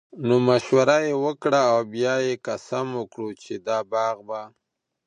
نو مشوره ئي وکړه، او بيا ئي قسم وکړو چې دا باغ به